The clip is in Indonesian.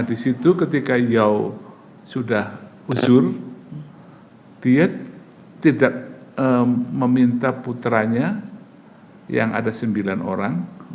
di situ ketika yosu sudah usur dia tidak meminta putranya yang ada sembilan orang